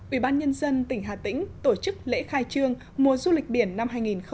ủy ban nhân dân tỉnh hà tĩnh tổ chức lễ khai trương mùa du lịch biển năm hai nghìn một mươi chín